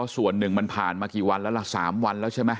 ส่วนหนึ่งมันผ่านมากี่วันแล้วล่ะ๓วันแล้วใช่ไหม